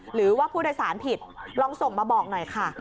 หรือว่าผู้โดยสารผิดลองส่งมาบอกหน่อยค่ะ